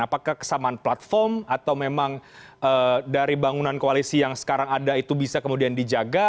apakah kesamaan platform atau memang dari bangunan koalisi yang sekarang ada itu bisa kemudian dijaga